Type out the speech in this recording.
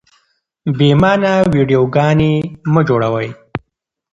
بې مانا ويډيوګانې مه جوړوئ.